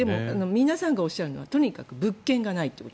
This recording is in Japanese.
皆さんがおっしゃるのはとにかく物件がないと。